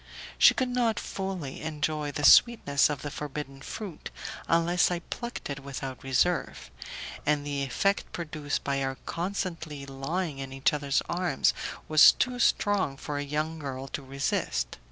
She could not fully enjoy the sweetness of the forbidden fruit unless I plucked it without reserve, and the effect produced by our constantly lying in each other's arms was too strong for a young girl to resist.